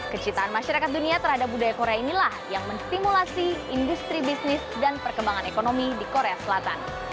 kecitaan masyarakat dunia terhadap budaya korea inilah yang menstimulasi industri bisnis dan perkembangan ekonomi di korea selatan